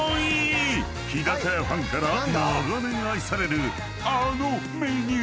［日高屋ファンから長年愛されるあのメニュー］